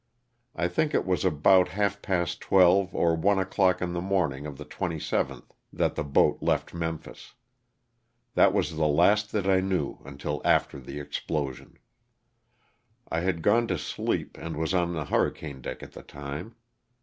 I think it was about half past twelve or one o'clock in the morning of the 27th that the boat left Memphis. That was the last that I knew until after the explosion. I had gone to sleep, and was on the hurricane deck at the time.